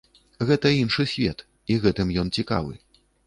Гэта іншы свет і гэтым ён цікавы.